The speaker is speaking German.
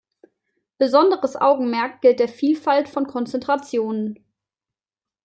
Besonderes Augenmerk gilt der Vielfalt von Konzentrationen.